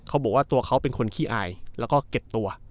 เขาบอกว่าตัวเขาเป็นคนขี้อายแล้วก็เก็บตัว